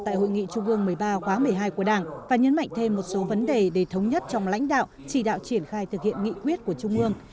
tại hội nghị trung ương một mươi ba khóa một mươi hai của đảng và nhấn mạnh thêm một số vấn đề để thống nhất trong lãnh đạo chỉ đạo triển khai thực hiện nghị quyết của trung ương